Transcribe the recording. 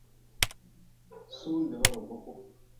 Sundba ba boku.